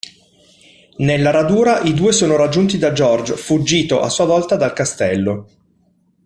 Nella radura i due sono raggiunti da George, fuggito a sua volta dal castello.